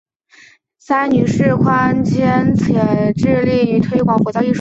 三女释宽谦则致力于推广佛教艺术。